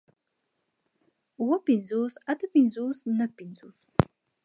اووه پنځوس اتۀ پنځوس نهه پنځوس